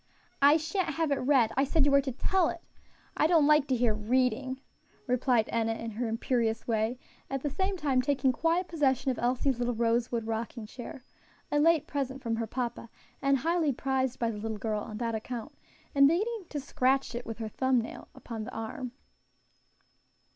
"I sha'n't have it read! I said you were to tell it. I don't like to hear reading," replied Enna in her imperious way, at the same time taking quiet possession of Elsie's little rosewood rocking chair a late present from her papa, and highly prized by the little girl on that account and beginning to scratch with her thumb nail upon the arm.